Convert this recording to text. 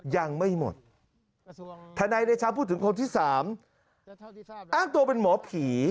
ยังไม่หมดทนายเดชาพูดถึงคนที่สามอ้างตัวเป็นหมอผี